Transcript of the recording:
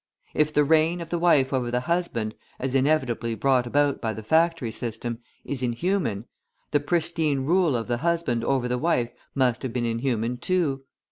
If the reign of the wife over the husband, as inevitably brought about by the factory system, is inhuman, the pristine rule of the husband over the wife must have been inhuman too.